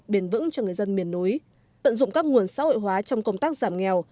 bền vững cho người dân miền núi tận dụng các nguồn xã hội hóa trong công tác giảm nghèo